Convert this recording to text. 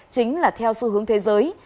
chính là theo xu hướng thế giới